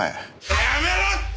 やめろって！